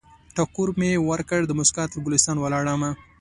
ټکور مې ورکړ، دموسکا تر ګلستان ولاړمه